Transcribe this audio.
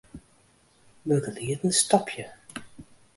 Begelieden stopje.